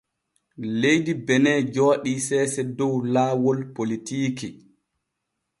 Leydi Benin jooɗi seese dow laawol politiiki.